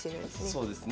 そうですね。